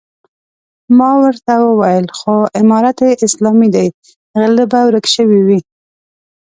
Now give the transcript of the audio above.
ما ورته وويل خو امارت اسلامي دی غله به ورک شوي وي.